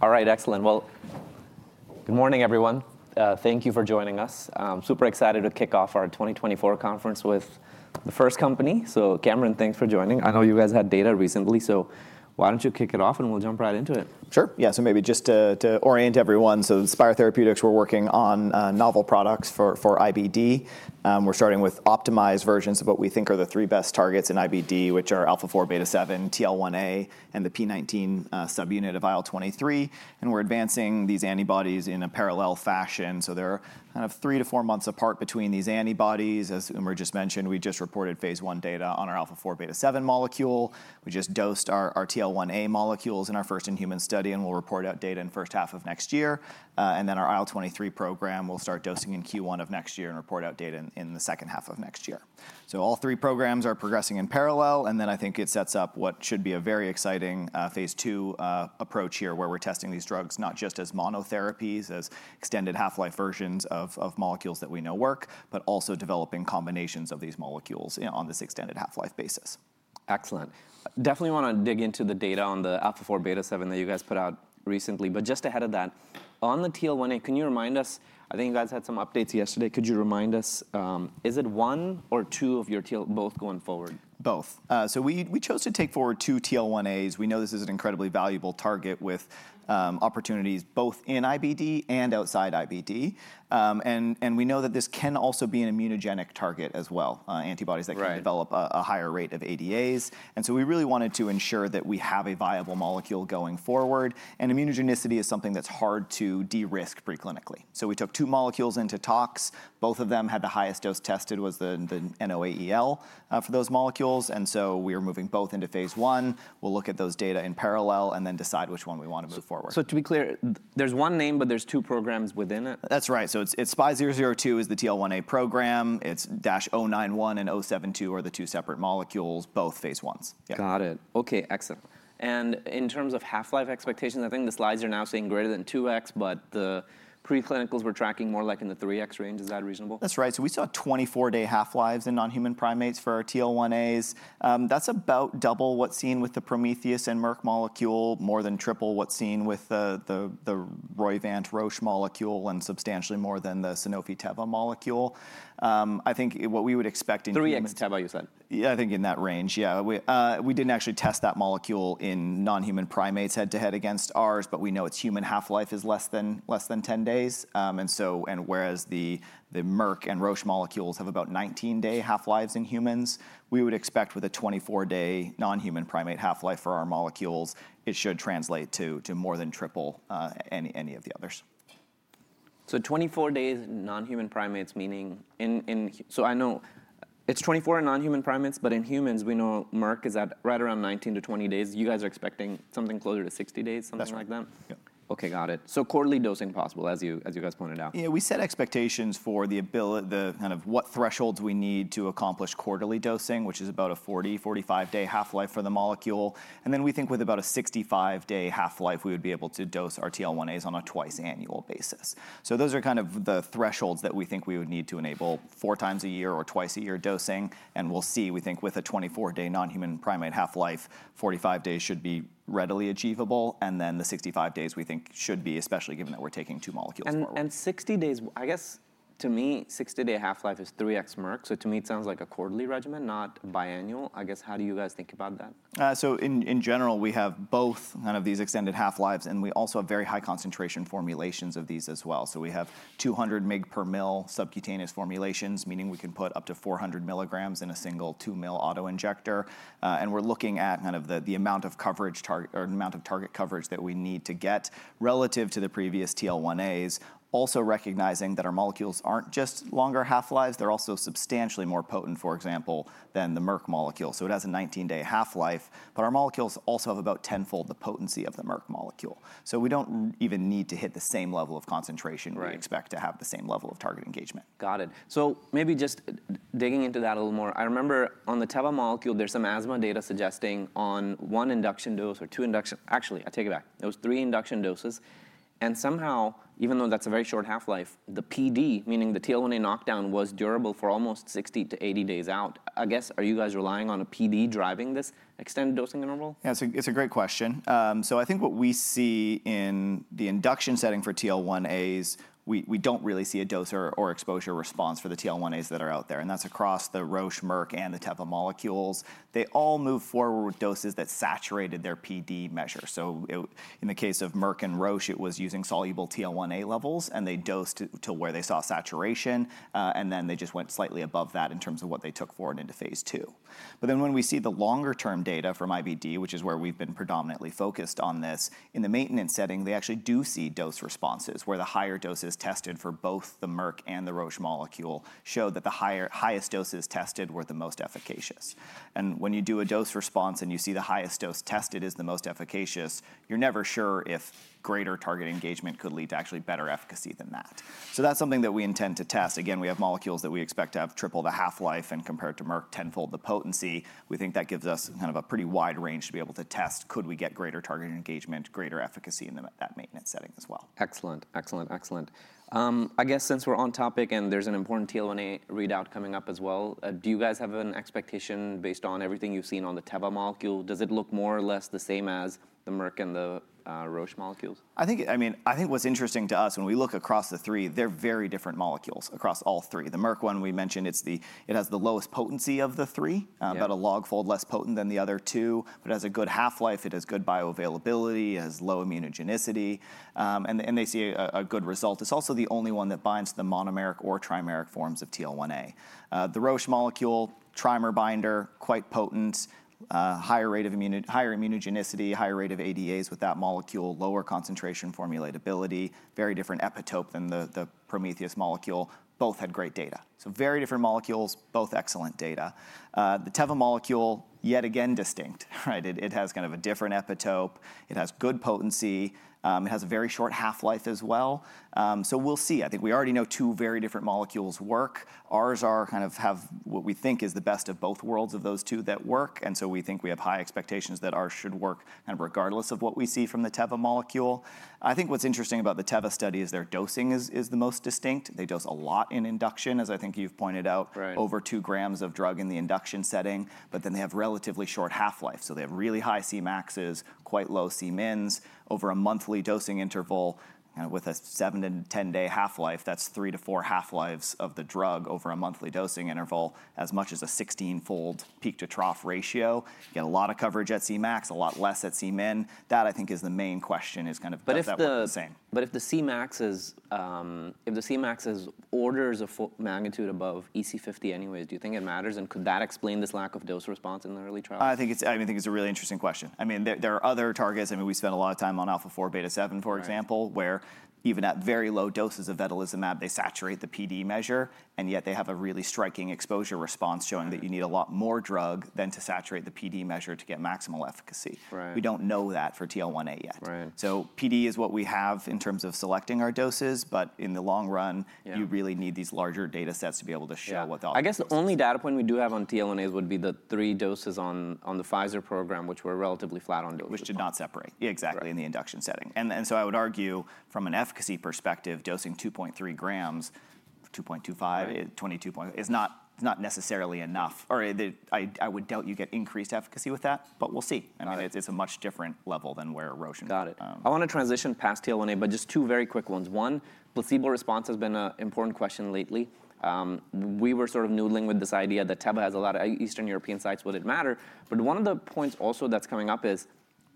All right, excellent. Good morning, everyone. Thank you for joining us. I'm super excited to kick off our 2024 conference with the first company. Cameron, thanks for joining. I know you guys had data recently, so why don't you kick it off and we'll jump right into it? Sure. Yeah, so maybe just to orient everyone, so Spyre Therapeutics, we're working on novel products for IBD. We're starting with optimized versions of what we think are the three best targets in IBD, which are Alpha-4 Beta-7, TL1A, and the P19 subunit of IL-23. And we're advancing these antibodies in a parallel fashion. So there are kind of three to four months apart between these antibodies. As Umar just mentioned, we just reported phase one data on our Alpha-4 Beta-7 molecule. We just dosed our TL1A molecules in our first-in-human study, and we'll report out data in the first half of next year. And then our IL-23 program will start dosing in Q1 of next year and report out data in the second half of next year. So all three programs are progressing in parallel. Then I think it sets up what should be a very exciting phase two approach here, where we're testing these drugs not just as monotherapies, as extended half-life versions of molecules that we know work, but also developing combinations of these molecules on this extended half-life basis. Excellent. Definitely want to dig into the data on the Alpha-4 Beta-7 that you guys put out recently. But just ahead of that, on the TL1A, can you remind us? I think you guys had some updates yesterday. Could you remind us? Is it one or two of your TL1A both going forward? Both. So we chose to take forward two TL1As. We know this is an incredibly valuable target with opportunities both in IBD and outside IBD. And we know that this can also be an immunogenic target as well, antibodies that can develop a higher rate of ADAs. And so we really wanted to ensure that we have a viable molecule going forward. And immunogenicity is something that's hard to de-risk preclinically. So we took two molecules into tox. Both of them had the highest dose tested was the NOAEL for those molecules. And so we are moving both into phase one. We'll look at those data in parallel and then decide which one we want to move forward. To be clear, there's one name, but there's two programs within it. That's right. So it's SPY002 is the TL1A program. It's SPY002-091 and SPY002-072 are the two separate molecules, both phase Is. Got it. OK, excellent and in terms of half-life expectations, I think the slides are now saying greater than 2x, but the preclinicals we're tracking more like in the 3x range. Is that reasonable? That's right. So we saw 24-day half-lives in non-human primates for our TL1As. That's about double what's seen with the Prometheus and Merck molecule, more than triple what's seen with the Roivant Roche molecule, and substantially more than the Sanofi Teva molecule. I think what we would expect in. 3x Teva, you said. Yeah, I think in that range, yeah. We didn't actually test that molecule in non-human primates head-to-head against ours, but we know its human half-life is less than 10 days. And whereas the Merck and Roche molecules have about 19-day half-lives in humans, we would expect with a 24-day non-human primate half-life for our molecules, it should translate to more than triple any of the others. 24 days in non-human primates, but in humans, we know Merck is at right around 19-20 days. You guys are expecting something closer to 60 days, something like that? That's right. OK, got it. So quarterly dosing possible, as you guys pointed out. Yeah, we set expectations for the kind of what thresholds we need to accomplish quarterly dosing, which is about a 40-day to 45-day half-life for the molecule. And then we think with about a 65-day half-life, we would be able to dose our TL1As on a twice-annual basis. So those are kind of the thresholds that we think we would need to enable four times a year or twice a year dosing. And we'll see, we think with a 24-day non-human primate half-life, 45 days should be readily achievable. And then the 65 days, we think, should be especially given that we're taking two molecules forward. 60 days, I guess to me, 60-day half-life is 3x Merck. So to me, it sounds like a quarterly regimen, not biannual. I guess how do you guys think about that? So in general, we have both kind of these extended half-lives, and we also have very high-concentration formulations of these as well. So we have 200 mg/mL subcutaneous formulations, meaning we can put up to 400 milligrams in a single 2-mL autoinjector. And we're looking at kind of the amount of target coverage that we need to get relative to the previous TL1As, also recognizing that our molecules aren't just longer half-lives. They're also substantially more potent, for example, than the Merck molecule. So it has a 19-day half-life, but our molecules also have about tenfold the potency of the Merck molecule. So we don't even need to hit the same level of concentration where we expect to have the same level of target engagement. Got it. So maybe just digging into that a little more. I remember on the Teva molecule, there's some asthma data suggesting on one induction dose or two induction actually, I take it back. It was three induction doses. And somehow, even though that's a very short half-life, the PD, meaning the TL1A knockdown, was durable for almost 60 days-80 days out. I guess, are you guys relying on a PD driving this extended dosing interval? Yeah, it's a great question. So I think what we see in the induction setting for TL1As, we don't really see a dose or exposure response for the TL1As that are out there. And that's across the Roche, Merck, and the Teva molecules. They all move forward with doses that saturated their PD measure. So in the case of Merck and Roche, it was using soluble TL1A levels, and they dosed to where they saw saturation. And then they just went slightly above that in terms of what they took forward into phase two. But then when we see the longer-term data from IBD, which is where we've been predominantly focused on this, in the maintenance setting, they actually do see dose responses where the higher doses tested for both the Merck and the Roche molecule showed that the highest doses tested were the most efficacious. When you do a dose response and you see the highest dose tested is the most efficacious, you're never sure if greater target engagement could lead to actually better efficacy than that. That's something that we intend to test. Again, we have molecules that we expect to have triple the half-life and, compared to Merck, tenfold the potency. We think that gives us kind of a pretty wide range to be able to test could we get greater target engagement, greater efficacy in that maintenance setting as well. Excellent, excellent, excellent. I guess since we're on topic and there's an important TL1A readout coming up as well, do you guys have an expectation based on everything you've seen on the Teva molecule? Does it look more or less the same as the Merck and the Roche molecules? I think what's interesting to us, when we look across the three, they're very different molecules across all three. The Merck one we mentioned, it has the lowest potency of the three, about a log-fold less potent than the other two. But it has a good half-life. It has good bioavailability. It has low immunogenicity. And they see a good result. It's also the only one that binds to the monomeric or trimeric forms of TL1A. The Roche molecule, trimer binder, quite potent, higher rate of immunogenicity, higher rate of ADAs with that molecule, lower concentration formulatability, very different epitope than the Prometheus molecule. Both had great data. So very different molecules, both excellent data. The Teva molecule, yet again, distinct. It has kind of a different epitope. It has good potency. It has a very short half-life as well. So we'll see. I think we already know two very different molecules work. Ours kind of have what we think is the best of both worlds of those two that work, and so we think we have high expectations that ours should work kind of regardless of what we see from the Teva molecule. I think what's interesting about the Teva study is their dosing is the most distinct. They dose a lot in induction, as I think you've pointed out, over two grams of drug in the induction setting, but then they have relatively short half-life, so they have really high Cmaxes, quite low Cmins. Over a monthly dosing interval, kind of with a seven to 10-day half-life, that's three to four half-lives of the drug over a monthly dosing interval, as much as a 16-fold peak to trough ratio. You get a lot of coverage at Cmax, a lot less at Cmin. That, I think, is the main question is kind of whether that's the same. But if the Cmax is orders of magnitude above EC50 anyways, do you think it matters? And could that explain this lack of dose response in the early trials? I think it's a really interesting question. I mean, there are other targets. I mean, we spend a lot of time on Alpha-4 Beta-7, for example, where even at very low doses of vedolizumab, they saturate the PD measure. And yet they have a really striking exposure response showing that you need a lot more drug than to saturate the PD measure to get maximal efficacy. We don't know that for TL1A yet. So PD is what we have in terms of selecting our doses. But in the long run, you really need these larger data sets to be able to show what the opportunity. I guess the only data point we do have on TL1As would be the three doses on the Pfizer program, which were relatively flat on dosing. Which did not separate exactly in the induction setting, and so I would argue from an efficacy perspective, dosing 2.3 grams, 2.25 grams, 2.2 grams is not necessarily enough, or I would doubt you get increased efficacy with that, but we'll see. I mean, it's a much different level than where Roche and. Got it. I want to transition past TL1A, but just two very quick ones. One, placebo response has been an important question lately. We were sort of noodling with this idea that Teva has a lot of Eastern European sites. Would it matter? But one of the points also that's coming up is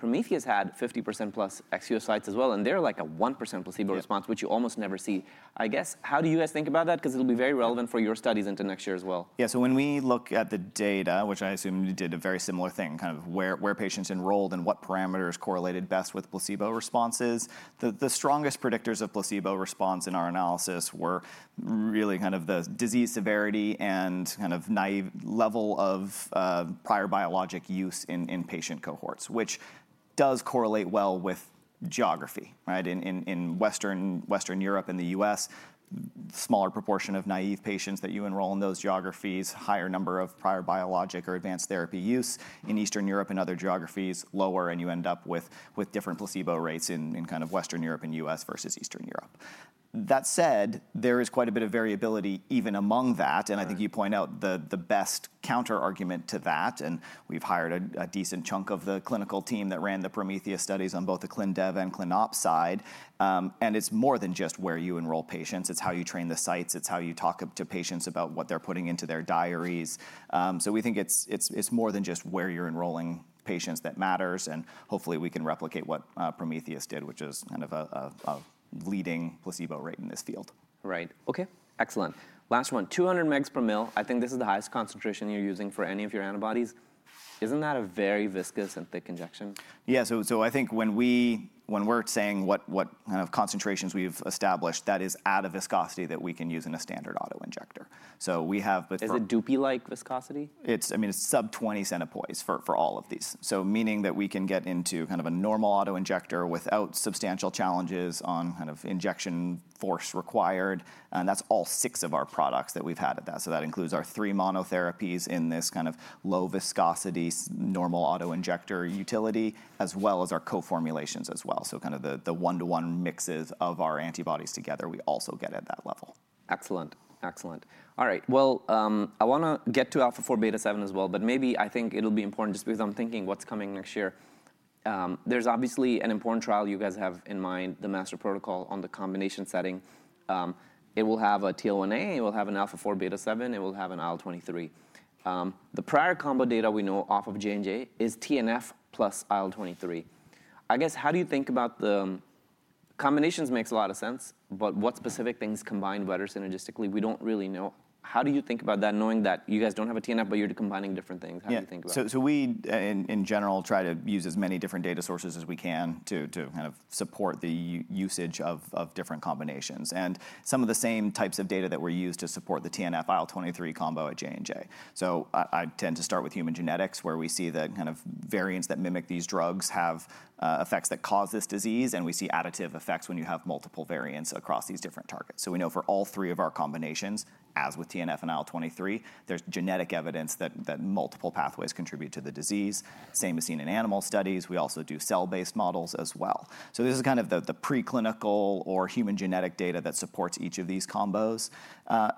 Prometheus had 50% plus Eastern sites as well. And they're like a 1% placebo response, which you almost never see. I guess, how do you guys think about that? Because it'll be very relevant for your studies into next year as well. Yeah, so when we look at the data, which I assume you did a very similar thing, kind of where patients enrolled and what parameters correlated best with placebo responses, the strongest predictors of placebo response in our analysis were really kind of the disease severity and kind of naive level of prior biologic use in patient cohorts, which does correlate well with geography. In Western Europe and the U.S., smaller proportion of naive patients that you enroll in those geographies, higher number of prior biologic or advanced therapy use. In Eastern Europe and other geographies, lower. And you end up with different placebo rates in kind of Western Europe and U.S. versus Eastern Europe. That said, there is quite a bit of variability even among that. And I think you point out the best counterargument to that. And we've hired a decent chunk of the clinical team that ran the Prometheus studies on both the ClinDev and ClinOps side. And it's more than just where you enroll patients. It's how you train the sites. It's how you talk to patients about what they're putting into their diaries. So we think it's more than just where you're enrolling patients that matters. And hopefully, we can replicate what Prometheus did, which is kind of a leading placebo rate in this field. Right. OK, excellent. Last one, 200 mg/mL. I think this is the highest concentration you're using for any of your antibodies. Isn't that a very viscous and thick injection? Yeah, so I think when we're saying what kind of concentrations we've established, that is at a viscosity that we can use in a standard autoinjector. So we have. Is it Dupi-like viscosity? I mean, it's sub-20 centipoise for all of these. So meaning that we can get into kind of a normal autoinjector without substantial challenges on kind of injection force required. And that's all six of our products that we've had at that. So that includes our three monotherapies in this kind of low viscosity normal autoinjector utility, as well as our co-formulations as well. So kind of the one-to-one mixes of our antibodies together, we also get at that level. Excellent, excellent. All right, well, I want to get to Alpha-4 Beta-7 as well. But maybe I think it'll be important just because I'm thinking what's coming next year. There's obviously an important trial you guys have in mind, the Master Protocol on the combination setting. It will have a TL1A. It will have an Alpha-4 Beta-7. It will have an IL-23. The prior combo data we know off of J&J is TNF plus IL-23. I guess, how do you think about the combinations? Makes a lot of sense. But what specific things combine better synergistically, we don't really know. How do you think about that, knowing that you guys don't have a TNF, but you're combining different things? How do you think about that? Yeah, so we, in general, try to use as many different data sources as we can to kind of support the usage of different combinations and some of the same types of data that were used to support the TNF IL23 combo at J&J. So I tend to start with human genetics, where we see that kind of variants that mimic these drugs have effects that cause this disease, and we see additive effects when you have multiple variants across these different targets, so we know for all three of our combinations, as with TNF and IL23, there's genetic evidence that multiple pathways contribute to the disease, same as seen in animal studies. We also do cell-based models as well, so this is kind of the preclinical or human genetic data that supports each of these combos.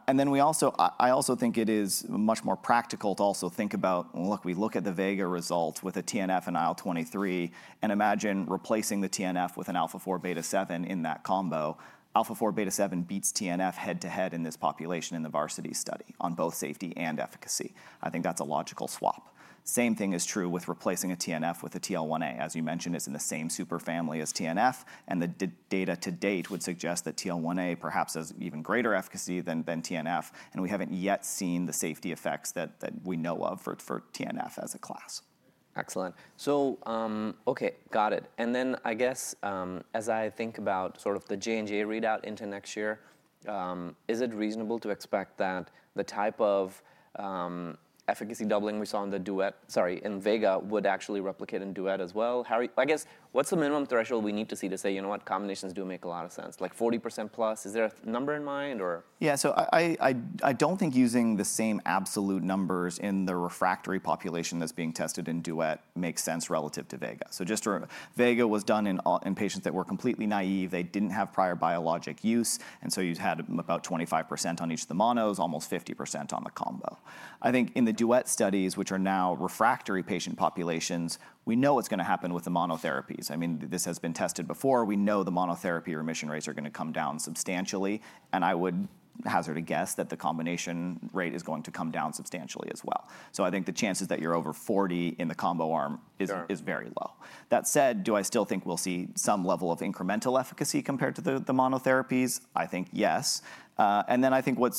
And then I also think it is much more practical to also think about, look, we look at the VEGA result with a TNF and IL-23 and imagine replacing the TNF with an Alpha-4 Beta-7 in that combo. Alpha-4 Beta-7 beats TNF head to head in this population in the VARSITY study on both safety and efficacy. I think that's a logical swap. Same thing is true with replacing a TNF with a TL1A, as you mentioned, it's in the same superfamily as TNF. And the data to date would suggest that TL1A perhaps has even greater efficacy than TNF. And we haven't yet seen the safety effects that we know of for TNF as a class. Excellent. So OK, got it. And then I guess as I think about sort of the J&J readout into next year, is it reasonable to expect that the type of efficacy doubling we saw in the DUET sorry, in VEGA would actually replicate in DUET as well? I guess, what's the minimum threshold we need to see to say, you know what, combinations do make a lot of sense, like 40%+? Is there a number in mind, or? Yeah, so I don't think using the same absolute numbers in the refractory population that's being tested in DUET makes sense relative to VEGA. So VEGA was done in patients that were completely naive. They didn't have prior biologic use. And so you had about 25% on each of the monos, almost 50% on the combo. I think in the DUET studies, which are now refractory patient populations, we know what's going to happen with the monotherapies. I mean, this has been tested before. We know the monotherapy remission rates are going to come down substantially. And I would hazard a guess that the combination rate is going to come down substantially as well. So I think the chances that you're over 40% in the combo arm is very low. That said, do I still think we'll see some level of incremental efficacy compared to the monotherapies? I think yes. Then I think what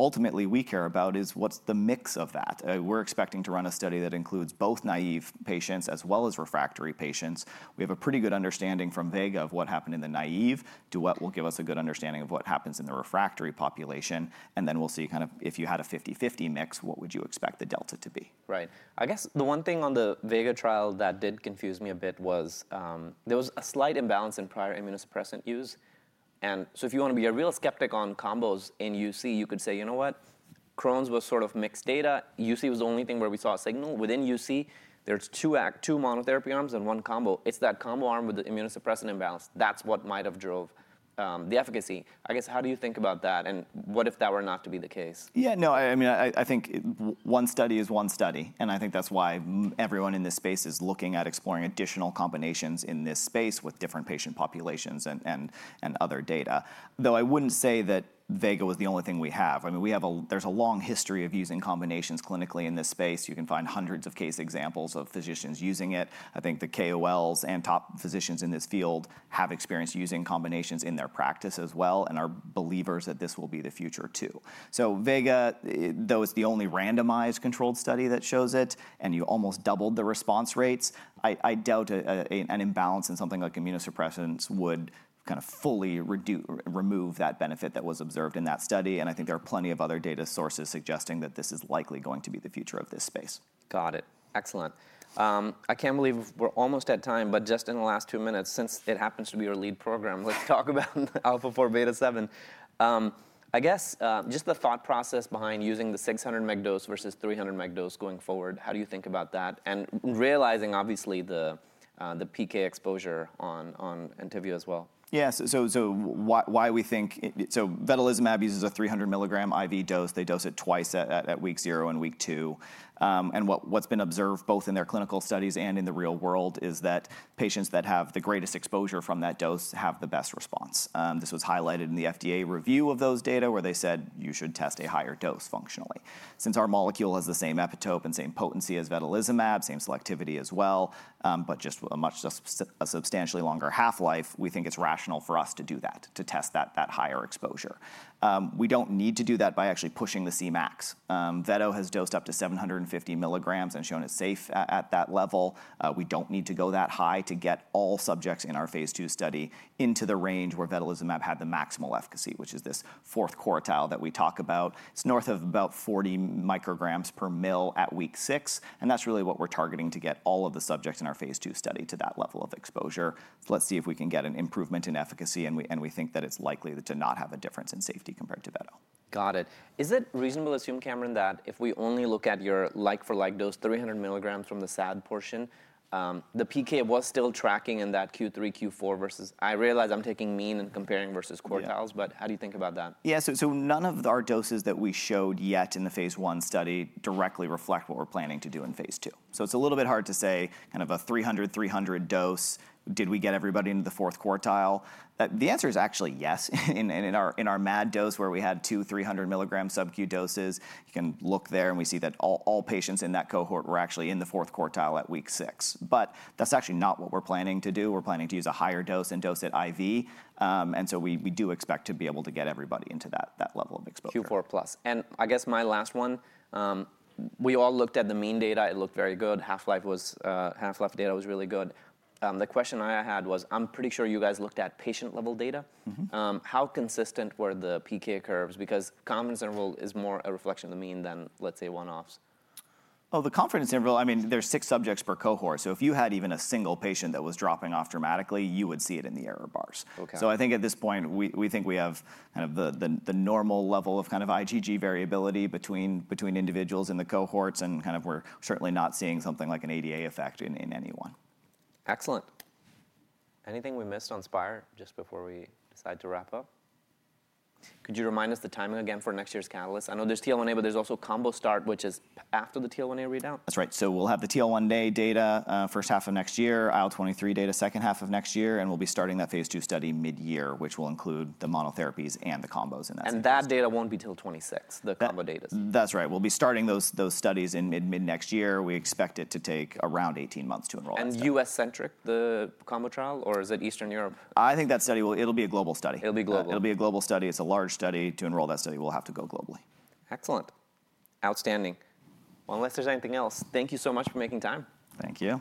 ultimately we care about is what's the mix of that. We're expecting to run a study that includes both naive patients as well as refractory patients. We have a pretty good understanding from VEGA of what happened in the naive. DUET will give us a good understanding of what happens in the refractory population. And then we'll see kind of if you had a 50/50 mix, what would you expect the delta to be. Right. I guess the one thing on the Vega trial that did confuse me a bit was there was a slight imbalance in prior immunosuppressant use. And so if you want to be a real skeptic on combos in UC, you could say, you know what, Crohn's was sort of mixed data. UC was the only thing where we saw a signal. Within UC, there's two monotherapy arms and one combo. It's that combo arm with the immunosuppressant imbalance. That's what might have drove the efficacy. I guess, how do you think about that? And what if that were not to be the case? Yeah, no, I mean, I think one study is one study, and I think that's why everyone in this space is looking at exploring additional combinations in this space with different patient populations and other data. Though I wouldn't say that VEGA was the only thing we have. I mean, there's a long history of using combinations clinically in this space. You can find hundreds of case examples of physicians using it. I think the KOLs and top physicians in this field have experience using combinations in their practice as well and are believers that this will be the future too, so VEGA, though it's the only randomized controlled study that shows it, and you almost doubled the response rates, I doubt an imbalance in something like immunosuppressants would kind of fully remove that benefit that was observed in that study. I think there are plenty of other data sources suggesting that this is likely going to be the future of this space. Got it. Excellent. I can't believe we're almost at time. But just in the last two minutes, since it happens to be your lead program, let's talk about Alpha-4 Beta-7. I guess just the thought process behind using the 600 mg dose versus 300 mg dose going forward, how do you think about that? And realizing, obviously, the PK exposure on Entyvio as well. Yeah, so why we think so Vedolizumab uses a 300 milligram IV dose. They dose it twice at week zero and week two. And what's been observed both in their clinical studies and in the real world is that patients that have the greatest exposure from that dose have the best response. This was highlighted in the FDA review of those data where they said you should test a higher dose functionally. Since our molecule has the same epitope and same potency as Vedolizumab, same selectivity as well, but just a substantially longer half-life, we think it's rational for us to do that, to test that higher exposure. We don't need to do that by actually pushing the Cmax. Vedo has dosed up to 750 milligrams and shown it's safe at that level. We don't need to go that high to get all subjects in our phase 2 study into the range where Vedolizumab had the maximal efficacy, which is this fourth quartile that we talk about. It's north of about 40 micrograms per mL at week six. That's really what we're targeting to get all of the subjects in our phase 2 study to that level of exposure. Let's see if we can get an improvement in efficacy. We think that it's likely to not have a difference in safety compared to Veto. Got it. Is it reasonable to assume, Cameron, that if we only look at your like-for-like dose, 300 milligrams from the SAD portion, the PK was still tracking in that Q3, Q4 versus I realize I'm taking mean and comparing versus quartiles. But how do you think about that? Yeah, so none of our doses that we showed yet in the phase 1 study directly reflect what we're planning to do in phase 2. So it's a little bit hard to say kind of a 300, 300 dose. Did we get everybody into the fourth quartile? The answer is actually yes. In our MAD dose, where we had two 300 milligram subQ doses, you can look there. And we see that all patients in that cohort were actually in the fourth quartile at week six. But that's actually not what we're planning to do. We're planning to use a higher dose and dose it IV. And so we do expect to be able to get everybody into that level of exposure. Q4 plus, and I guess my last one, we all looked at the mean data. It looked very good. Half-life data was really good. The question I had was, I'm pretty sure you guys looked at patient-level data. How consistent were the PK curves? Because confidence interval is more a reflection of the mean than, let's say, one-offs. Oh, the confidence interval, I mean, there's six subjects per cohort. So if you had even a single patient that was dropping off dramatically, you would see it in the error bars. So I think at this point, we think we have kind of the normal level of kind of IgG variability between individuals in the cohorts, and kind of we're certainly not seeing something like an ADA effect in anyone. Excellent. Anything we missed on Spyre just before we decide to wrap up? Could you remind us the timing again for next year's catalyst? I know there's TL1A, but there's also Combo Start, which is after the TL1A readout. That's right. So we'll have the TL1A data first half of next year, IL23 data second half of next year. And we'll be starting that phase two study mid-year, which will include the monotherapies and the combos in that study. That data won't be till 2026, the combo data. That's right. We'll be starting those studies in mid-next year. We expect it to take around 18 months to enroll. U.S.-centric, the combo trial? Or is it Eastern Europe? I think that study will be a global study. It'll be global. It'll be a global study. It's a large study. To enroll that study, we'll have to go globally. Excellent. Outstanding. Well, unless there's anything else, thank you so much for making time. Thank you.